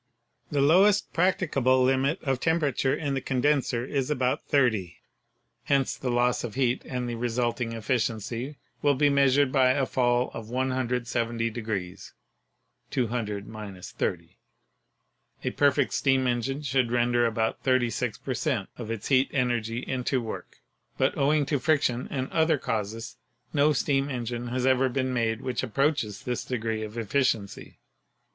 The lowest practicable limit of temperature in the condenser is about 30 . Hence the loss of heat and the resulting efficiency 62 PHYSICS will be measured by a fall of 170 ° (200 — 30 ). A perfect steam engine should render about 36 per cent, of its heat energy into work, but owing to friction and other causes no steam engine has ever been made which approaches this degree of efficiency.